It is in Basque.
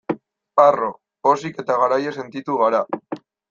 Harro, pozik eta garaile sentitu gara.